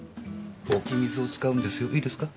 置き水を使うんですよいいですか？